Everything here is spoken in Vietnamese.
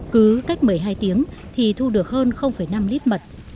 cứ cách một mươi hai tiếng thì thu được hơn năm lít mật